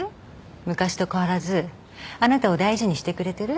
昔と変わらずあなたを大事にしてくれてる？